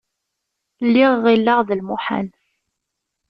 Lliɣ ɣilleɣ d lmuḥal.